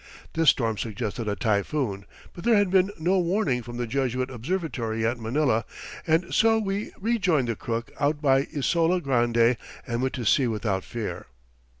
This storm suggested a typhoon, but there had been no warning from the Jesuit observatory at Manila, and so we rejoined the Crook out by Isola Grande and went to sea without fear.